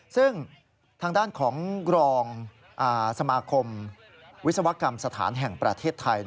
ซึ่งทางด้านของรองสมาคมวิศวกรรมสถานแห่งประเทศไทย